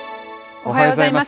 おはようございます。